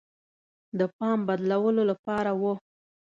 د پام بدلولو لپاره وه.